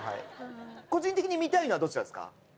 個人的に見たいのはどちらですか？